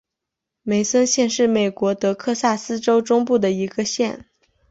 梅森县是美国德克萨斯州中部的一个县。